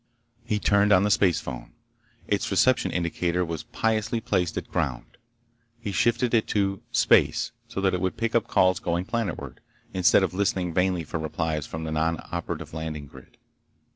He turned on the space phone. Its reception indicator was piously placed at "Ground." He shifted it to "Space," so that it would pick up calls going planetward, instead of listening vainly for replies from the nonoperative landing grid.